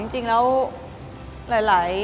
จริงแล้วหลาย